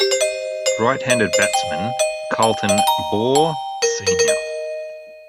A right-handed batsman, Carlton Baugh Snr.